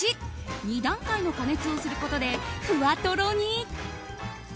８２段階の加熱をすることでふわトロに。